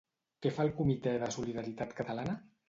Què fa el Comitè de Solidaritat Catalana?